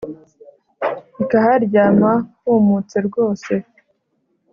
, Ikaharyama humutse rwose